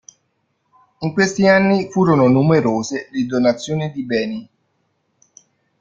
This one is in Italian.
In questi anni furono numerose le donazioni di beni.